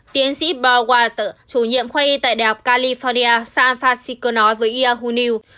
tiến sĩ paul walter chủ nhiệm khoa y tại đại học california san francisco nói với yahoo news